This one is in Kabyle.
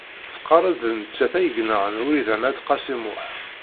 Tqarr-d d nettat ay yenɣan Wrida n At Qasi Muḥ.